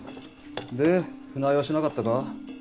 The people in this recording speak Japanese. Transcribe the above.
で船酔いはしなかったか？